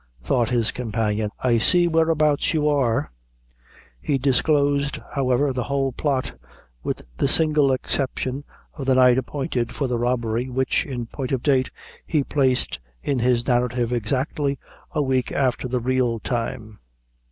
thought his companion, "I see whereabouts you are." He disclosed, however, the whole plot, with the single exception of the night appointed for the robbery, which, in point of date, he placed in his narrative exactly a week after the real time.